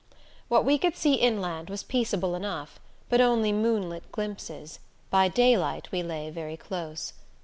What we could see inland was peaceable enough, but only moonlit glimpses; by daylight we lay very close.